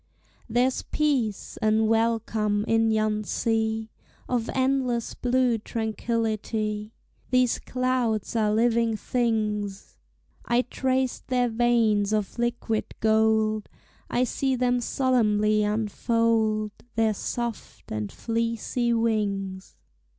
There's peace and welcome in yon sea Of endless blue tranquillity: These clouds are living things; I trace their veins of liquid gold, I see them solemnly unfold Their soft and fleecy wings.